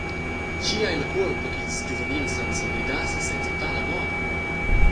Tgi ei la cuolpa, ch’ils giuvenils san s’emblidar sesez a tala moda?